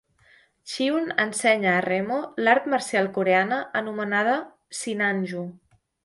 Chiun ensenya a Remo l'art marcial coreana anomenada "Sinanju".